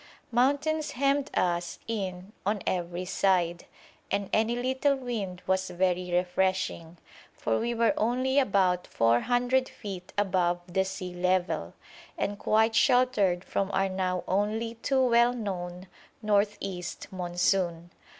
Mountains hemmed us in on every side, and any little wind was very refreshing, for we were only about 400 feet above the sea level, and quite sheltered from our now only too well known north east monsoon.